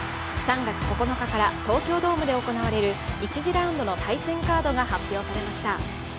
３月９日から東京ドームで行われる１次ラウンドの対戦カードが発表されました。